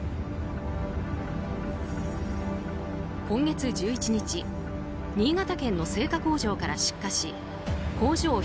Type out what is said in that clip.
今月１１日新潟県の製菓工場から出火し工場